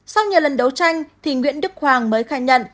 sau nhiều lần đấu tranh thì nguyễn đức hoàng mới khai nhận